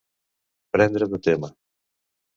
Prendre de tema.